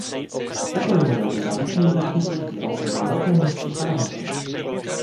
Takový model bývá většinou značně složitý a obsahuje velké množství parametrů.